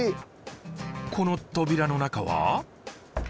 この扉の中は。